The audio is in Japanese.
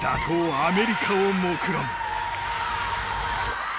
アメリカをもくろむ。